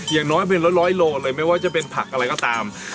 อย่างน้อยเป็นละร้อยโลเลยไม่ว่าจะเป็นผักอะไรก็ตาม